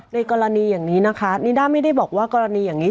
ในกรณีอย่างนี้นะคะนิด้าไม่ได้บอกว่ากรณีอย่างนี้